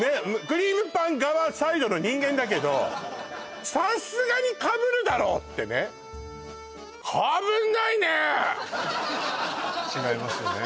クリームパン側サイドの人間だけどさすがにかぶるだろってね違いますよね